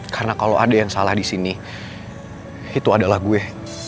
karena kalau ada yang salah di sini itu adalah gue